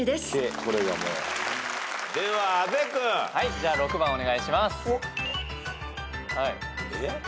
じゃあ６番お願いします。